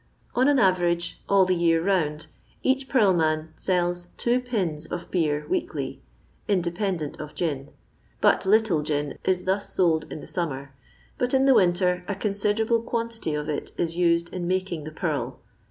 On an average all the year round each purl man sells two ''pins" of beer weekly, independent of gin; but little gin is thus sold in the summer, but in the winter a considerable quantity of it is used in making the purl.